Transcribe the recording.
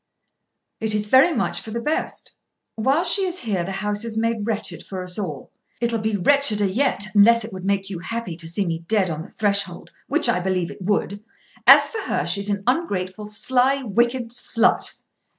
"It is very much for the best. While she is here the house is made wretched for us all." "It'll be wretcheder yet; unless it would make you happy to see me dead on the threshold, which I believe it would. As for her, she's an ungrateful, sly, wicked slut."